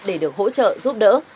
để được hỗ trợ giúp đỡ